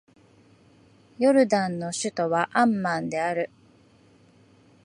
ヨルダンの首都はアンマンである